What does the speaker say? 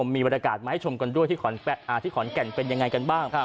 มีบรรยากาศมาให้ชมกันด้วยที่ขอนแก่นเป็นยังไงกันบ้าง